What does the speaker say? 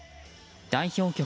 代表曲